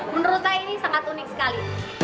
menurut saya ini sangat unik sekali